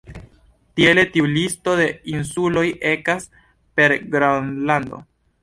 Tiele tiu listo de insuloj ekas per Gronlando.